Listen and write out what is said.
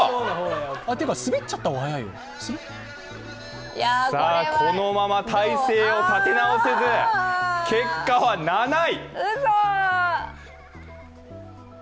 てか、滑っちゃった方が速いこのまま体勢を立て直せず、結果は７位！